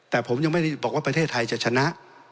แต่ผมยังไม่ได้บอกว่าประเทศไทยจะชนะ